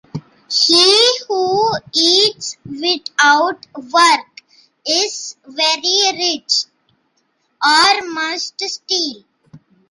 He who eats without work, is very rich, or must steal.